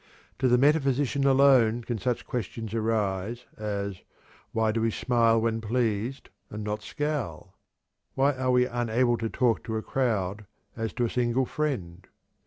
To the metaphysician alone can such questions arise as: Why do we smile when pleased and not scowl? Why are we unable to talk to a crowd as to a single friend?